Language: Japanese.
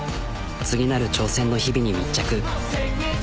次なる挑戦の日々に密着。